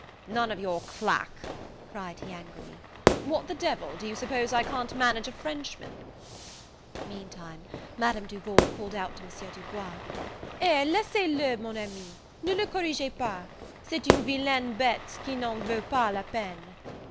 "None of your clack!" cried he angrily; "what the D l, do you suppose I can't manage a Frenchman?" Meantime, Madame Duval called out to M. Du Bois, "Eh, laissez le, mon ami, ne le corrigez pas; c'est une villaine bete qui n'en vaut pas la peine."